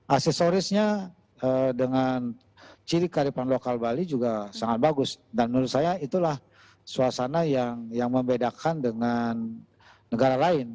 aksesorisnya dengan ciri karipan lokal bali juga sangat bagus dan menurut saya itulah suasana yang membedakan dengan negara lain